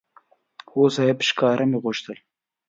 هو صاحب سکاره مې غوښتل.